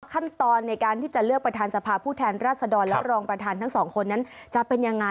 ขั้นตอนในการที่จะเลือกประธานสภาผู้แทนรัศดรและรองประธานทั้งสองคนนั้นจะเป็นยังไง